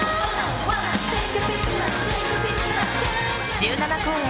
１７公演